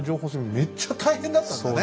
めっちゃ大変だったんだね。